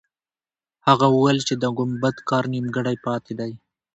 هغه وویل چې د ګمبد کار نیمګړی پاتې دی.